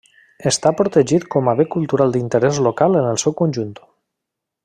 Està protegit com a bé cultural d'interès local en el seu conjunt.